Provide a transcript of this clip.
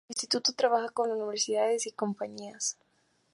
El Instituto trabaja con universidades y compañías.